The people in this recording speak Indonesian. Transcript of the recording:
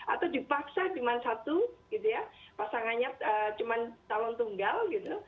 atau dipaksa cuma satu gitu ya pasangannya cuma calon tunggal gitu